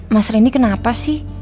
mas randy kenapa sih